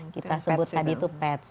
kita sebut tadi itu pets